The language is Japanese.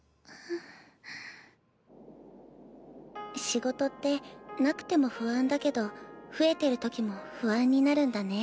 仕事ってなくても不安だけど増えてるときも不安になるんだね。